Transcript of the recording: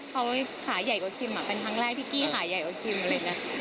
เขาขาใหญ่กว่าคิมเป็นครั้งแรกที่กี้ขาใหญ่กว่าคิมอะไรอย่างนี้